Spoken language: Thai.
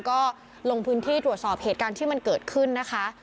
ก็ลงพื้นที่ตรวจสอบเหตุการณ์ที่มันเกิดขึ้นนะคะ